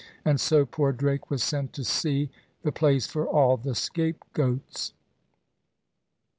And so poor Drake was sent to sea; the place for all the scape goats.